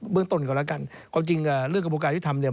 เรื่องต้นก่อนแล้วกันความจริงเรื่องกระบวนการยุทธรรมเนี่ย